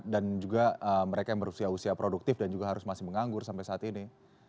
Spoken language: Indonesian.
dan juga mereka yang berusia usia produktif dan juga harus masih menganggur sampai saat ini